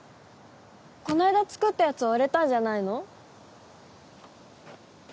こないだ作ったやつは売れたんじゃないの？